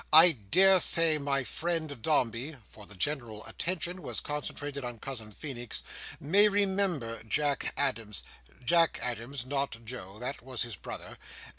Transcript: I dare say my friend Dombey;" for the general attention was concentrated on Cousin Feenix; "may remember Jack Adams, Jack Adams, not Joe; that was his brother.